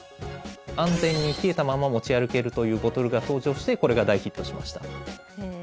安全に冷えたまま持ち歩けるというボトルが登場してこれが大ヒットしました。